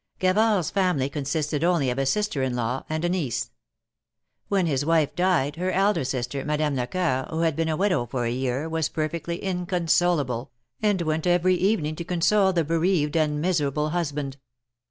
Gavard's family consisted only of a sister in law and a niece. When his wife died, her elder sister, Madame Lecoeur, who had been a widow for a year, was perfectly inconsolable, and went every evening, to console the bereaved and miserable husband.